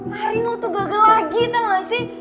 tadi lo tuh gagal lagi tau gak sih